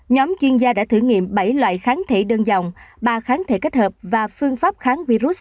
nhóm chuyên gia đã thử nghiệm bảy loại kháng thể đơn dòng ba kháng thể kết hợp và phương pháp kháng virus